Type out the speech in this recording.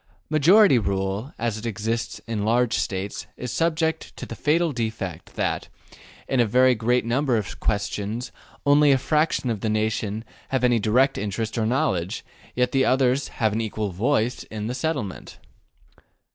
Majority rule, as it exists in large States, is subject to the fatal defect that, in a very great number of questions, only a fraction of the nation have any direct interest or knowledge, yet the others have an equal voice in their settlement.